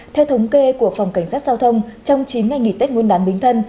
theo thống kê của phòng cảnh sát giao thông trong chín ngày nghỉ tết nguyên đán bính thân